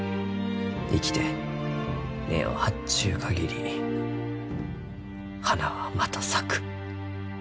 生きて根を張っちゅう限り花はまた咲く。